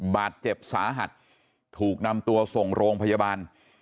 บาดเจ็บสาหัสถูกนำตัวส่งโรงพยาบาล